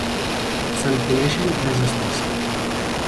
Se'n coneixen tres espècies.